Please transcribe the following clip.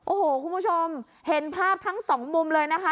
โอ้โหคุณผู้ชมเห็นภาพทั้งสองมุมเลยนะคะ